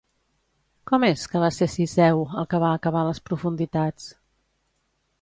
Com és que va ser Cisseu el que va acabar a les profunditats?